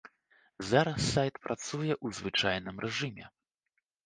Зараз сайт працуе ў звычайным рэжыме.